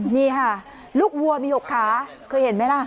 นี่ค่ะลูกวัวมี๖ขาเคยเห็นไหมล่ะ